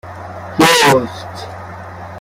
جُست